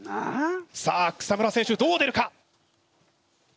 さあ草村選手どう出るか？